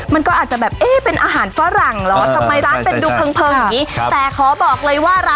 มันก็อาจจะแบบเอ๊เป็นอาหารฝรั่งเหรอ